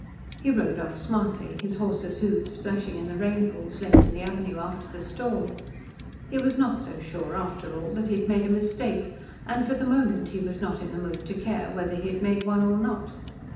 He rode off smartly, his horse's hoofs splashing in the rain pools left in the avenue after the storm. He was not so sure after all that he had made a mistake, and for the moment he was not in the mood to care whether he had made one or not.